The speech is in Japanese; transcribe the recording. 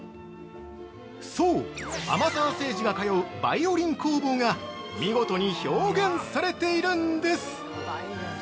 ◆そう、天沢聖司が通うバイオリン工房が見事に表現されているんです！